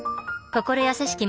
心優しき